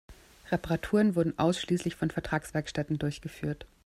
Reparaturen wurden ausschließlich von Vertragswerkstätten durchgeführt.